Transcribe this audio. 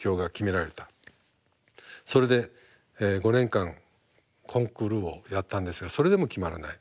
それで５年間コンクールをやったんですがそれでも決まらない。